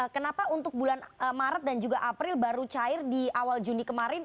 kenapa untuk bulan maret dan juga april baru cair di awal juni kemarin